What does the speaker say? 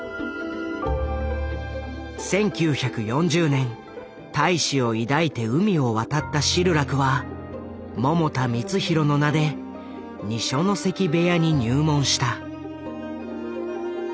１９４０年大志を抱いて海を渡ったシルラクは百田光浩の名で二所ノ関部屋に入門した。